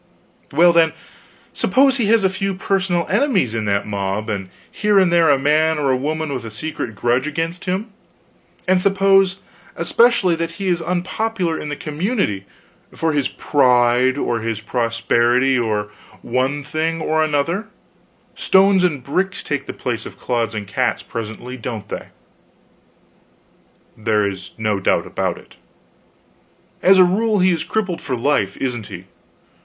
"Well, then, suppose he has a few personal enemies in that mob and here and there a man or a woman with a secret grudge against him and suppose especially that he is unpopular in the community, for his pride, or his prosperity, or one thing or another stones and bricks take the place of clods and cats presently, don't they?" "There is no doubt of it." "As a rule he is crippled for life, isn't he?